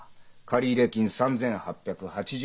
借入金３，８８０万円。